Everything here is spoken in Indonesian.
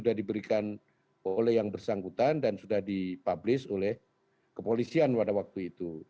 sudah diberikan oleh yang bersangkutan dan sudah dipublis oleh kepolisian pada waktu itu